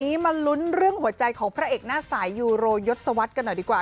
วันนี้มาลุ้นเรื่องหัวใจของพระเอกหน้าสายยูโรยศวรรษกันหน่อยดีกว่า